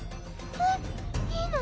えっいいの？